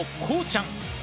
こうちゃん！